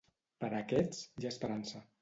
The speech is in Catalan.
Per a aquests, hi ha esperança.